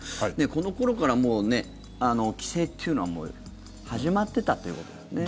この頃から、もう規制というのは始まっていたということですね。